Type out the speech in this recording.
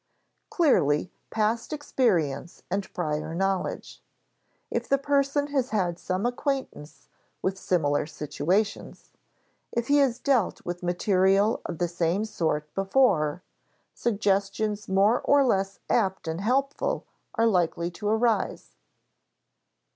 Clearly past experience and prior knowledge. If the person has had some acquaintance with similar situations, if he has dealt with material of the same sort before, suggestions more or less apt and helpful are likely to arise.